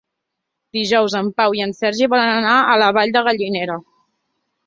Dijous en Pau i en Sergi volen anar a la Vall de Gallinera.